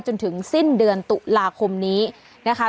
จนถึงสิ้นเดือนตุลาคมนี้นะคะ